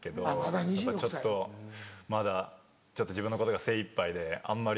ちょっとまだ自分のことが精いっぱいであんまり。